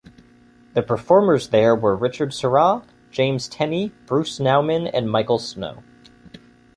The performers there were Richard Serra, James Tenney, Bruce Nauman and Michael Snow.